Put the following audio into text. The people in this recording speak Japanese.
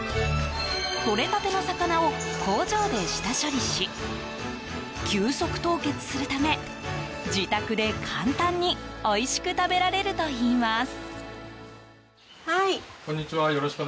とれたての魚を工場で下処理し急速凍結するため自宅で簡単においしく食べられるといいます。